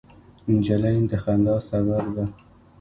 نجلۍ د خندا سبب ده.